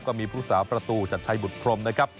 ก็มีผู้สาวประตูจัดชัยบุตรพรมนะครับ